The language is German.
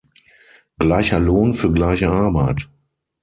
Gleicher Lohn für gleiche Arbeit.